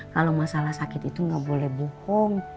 kalau masalah sakit itu nggak boleh bohong